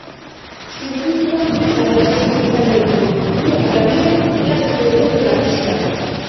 Zirkuituak bi sarrera soilik izango ditu, biak ala biak plazako gune nagusira.